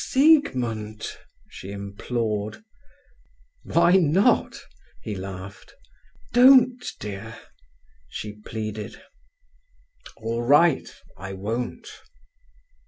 "Siegmund!" she implored. "Why not?" he laughed. "Don't, dear," she pleaded. "All right, I won't."